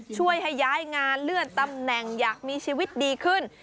ช่วยให้ย้ายงานเลื่อนตำแหน่งอยากมีชีวิตดีขึ้น